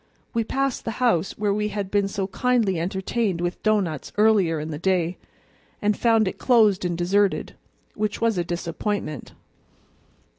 We passed the house where we had been so kindly entertained with doughnuts earlier in the day, and found it closed and deserted, which was a disappointment.